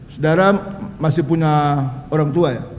saudara masih punya orang tua ya